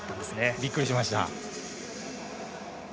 びっくりしました。